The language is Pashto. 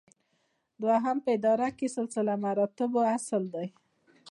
دوهم په اداره کې د سلسله مراتبو اصل دی.